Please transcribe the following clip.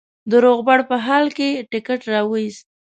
د روغبړ په حال کې ټکټ را وایست.